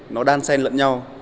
nó đan sen lẫn nhau